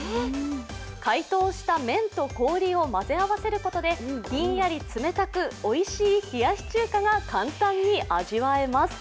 解凍した麺と氷を混ぜ合わせることでひんやり冷たくおいしい冷やし中華が簡単に味わえます。